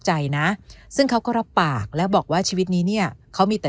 ใจนะซึ่งเขาก็รับปากแล้วบอกว่าชีวิตนี้เนี่ยเขามีแต่